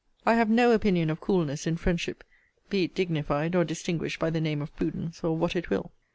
I have no opinion of coolness in friendship, be it dignified or distinguished by the name of prudence, or what it will.